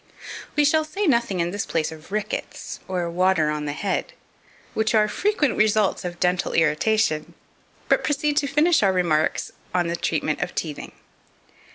2518. We shall say nothing in this place of "rickets," or "water on the head," which are frequent results of dental irritation, but proceed to finish our remarks on the treatment of teething.